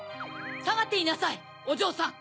さがっていなさいおじょうさん。